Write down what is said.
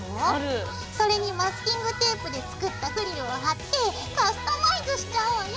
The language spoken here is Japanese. それにマスキングテープで作ったフリルを貼ってカスタマイズしちゃおうよ！